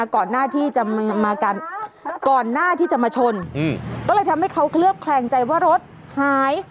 ก่อนหน้าที่จะมากันก่อนหน้าที่จะมาชนก็เลยทำให้เขาเคลือบแคลงใจว่ารถหาย